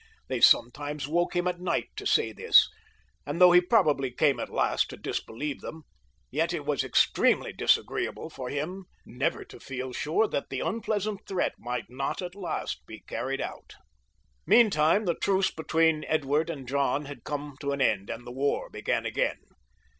They sometimes woke him at night to say this, and though he probably came at last to disbeKeve them, yet it was extremely disagreeable for him never to feel sure that the unpleasant threat might not at last be carried out. Meantime the truce between Edward and John had come to an end, and the war began again.